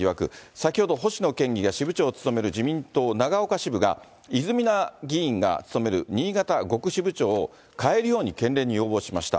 先ほど星野県議が、支部長を務める自民党長岡支部が、泉田議員が務める新潟５区支部長を変えるように、県連に要望しました。